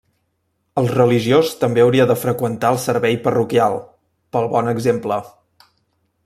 El religiós també hauria de freqüentar el servei parroquial, pel bon exemple.